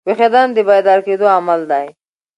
ویښېدنه د بیدار کېدو عمل دئ.